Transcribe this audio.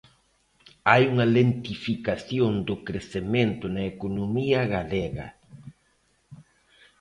Hai unha lentificación do crecemento na economía galega.